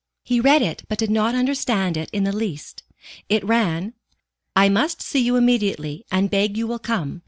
He read it, but did not understand it in the least. It ran: "I must see you immediately, and beg you will come.